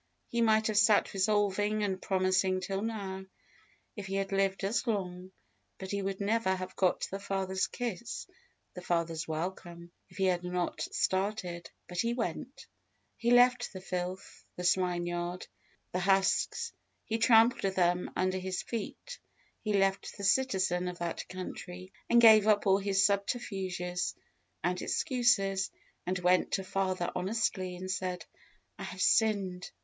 He might have sat resolving and promising till now, if he had lived as long, and he would never have got the father's kiss, the father's welcome, if he had not started; but he went. He left the filth, the swine yard, the husks he trampled them under his feet; he left the citizen of that country, and gave up all his subterfuges and excuses, and went to his father honestly, and said, "I have sinned!"